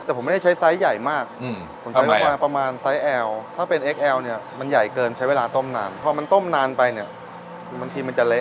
แต่ผมไม่ได้ใช้ไซส์ใหญ่มากผมใช้ประมาณไซส์แอลถ้าเป็นเอ็กแอลเนี่ยมันใหญ่เกินใช้เวลาต้มนานพอมันต้มนานไปเนี่ยบางทีมันจะเละ